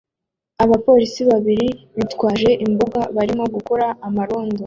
Abapolisi babiri bitwaje imbunda barimo gukora amarondo